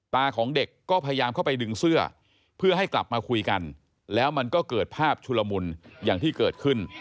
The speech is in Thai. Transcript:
ของเด็กก็พยายามเข้าไปดึงเสื้อเพื่อให้กลับมาคุยกันแล้วมันก็เกิดภาพชุลมุนอย่างที่เกิดขึ้น